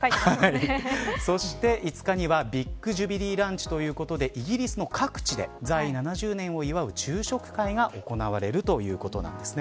そして５日には、ビッグ・ジュビリー・ランチということでイギリスの各地で在位７０年を祝う昼食会が行われるということです。